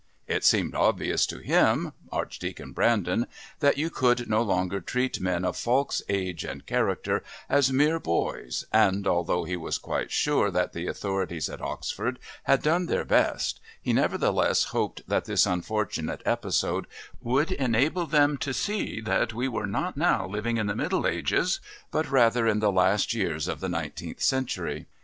It seemed obvious to him, Archdeacon Brandon, that you could no longer treat men of Falk's age and character as mere boys and, although he was quite sure that the authorities at Oxford had done their best, he nevertheless hoped that this unfortunate episode would enable them to see that we were not now living in the Middle Ages, but rather in the last years of the nineteenth century.